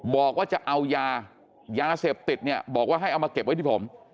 บอกว่าจะเอายายาเสพติดเนี่ยบอกว่าให้เอามาเก็บไว้ที่ผม